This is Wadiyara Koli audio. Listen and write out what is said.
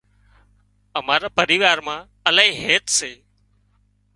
امارا پريوار مان الاهي هيت سي